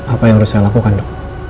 apa yang harus saya lakukan dok